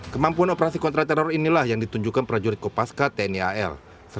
kemampuan operasi kontra teror inilah yang ditunjukkan prajurit kopaska tni al